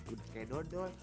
udah kayak dodol